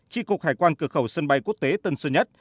tri cục hải quan cửa khẩu sân bay quốc tế tân sơn nhất